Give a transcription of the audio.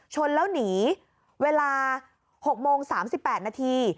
ชนแล้วหนีเวลา๖โมง๓๘นาที